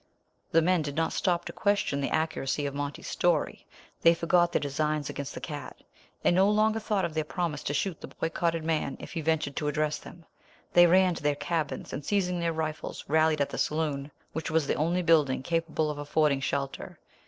The men did not stop to question the accuracy of Monty's story. They forgot their designs against the cat, and no longer thought of their promise to shoot the boycotted man if he ventured to address them. They ran to their cabins, and seizing their rifles, rallied at the saloon, which was the only building capable of affording shelter.